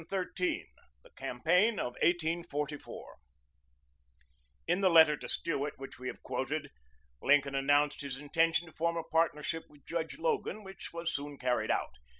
] CHAPTER XIII THE CAMPAIGN OF 1844 In the letter to Stuart which we have quoted, Lincoln announced his intention to form a partnership with Judge Logan, which was soon carried out.